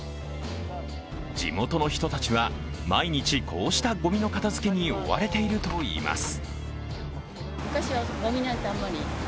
地元の人たちは毎日こうしたごみの片づけに追われているといいます。